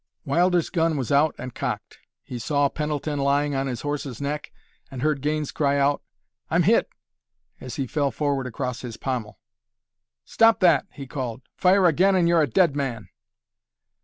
Wilder's gun was out and cocked. He saw Pendleton lying on his horse's neck, and heard Gaines cry out, "I'm hit!" as he fell forward across his pommel. "Stop that!" he called. "Fire again and you're a dead man!"